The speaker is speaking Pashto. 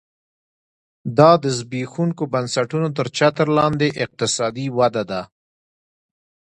دا د زبېښونکو بنسټونو تر چتر لاندې اقتصادي وده ده